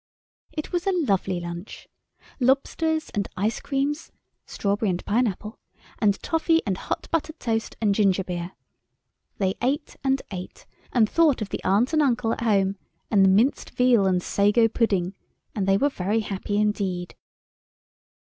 It was a lovely lunch. Lobsters and ice creams (strawberry and pine apple), and toffee and hot buttered toast and ginger beer. They ate and ate, and thought of the aunt and uncle at home, and the minced veal and sago pudding, and they were very happy indeed.